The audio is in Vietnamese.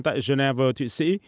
tại geneva thụy sĩ